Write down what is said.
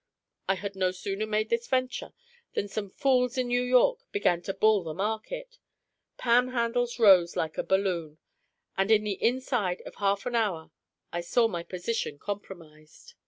I had no sooner made this venture than some fools in New York began to bull the market; Pan Handles rose like a balloon; and in the inside of half an hour I saw my position compromised.